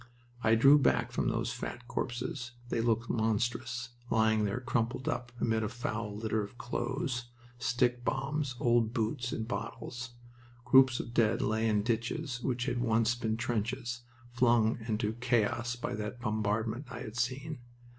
I drew back from those fat corpses. They looked monstrous, lying there crumpled up, amid a foul litter of clothes, stickbombs, old boots, and bottles. Groups of dead lay in ditches which had once been trenches, flung into chaos by that bombardment I had seen.